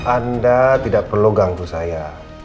anda tidak perlu ganggu saya